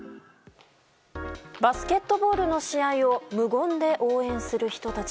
バスケットボールの試合を無言で応援する人たち。